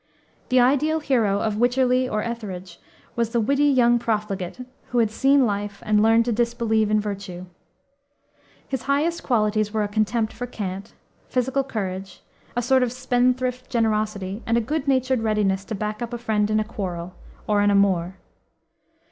The ideal hero of Wycherley or Etherege was the witty young profligate, who had seen life, and learned to disbelieve in virtue. His highest qualities were a contempt for cant, physical courage, a sort of spendthrift generosity, and a good natured readiness to back up a friend in a quarrel, or an amour.